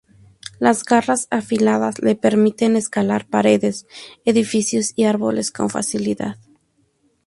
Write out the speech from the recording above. Las garras afiladas le permiten escalar paredes, edificios y árboles con facilidad.